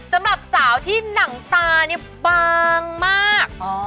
สำหรับสาวที่หนังตานี่บางมาก